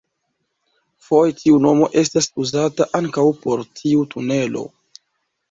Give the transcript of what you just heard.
Foje tiu nomo estas uzata ankaŭ por tiu tunelo.